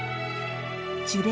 樹齢